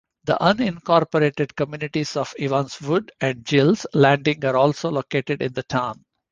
The unincorporated communities of Evanswood and Gills Landing are also located in the town.